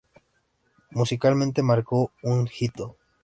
Musicalmente marcó un hito.